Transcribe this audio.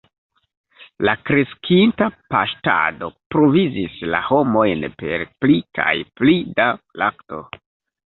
La kreskinta paŝtado provizis la homojn per pli kaj pli da lakto.